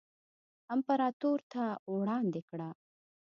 امپراتور ته وړاندې کړه.